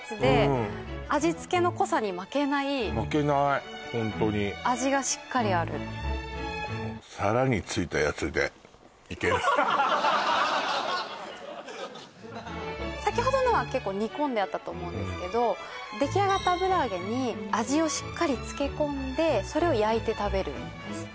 中の負けないホントに味がしっかりある先ほどのは結構煮込んであったと思うんですけど出来上がった油揚げに味をしっかり漬け込んでそれを焼いて食べるんですね